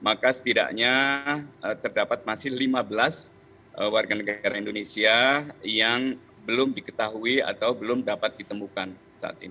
maka setidaknya terdapat masih lima belas warga negara indonesia yang belum diketahui atau belum dapat ditemukan saat ini